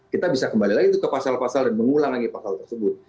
kita bisa kembali lagi ke pasal pasal dan mengulangi pasal tersebut